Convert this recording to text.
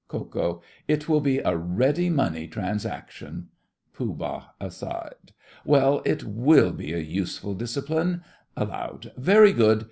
KO. It will be a ready money transaction. POOH. (Aside.) Well, it will be a useful discipline. (Aloud.) Very good.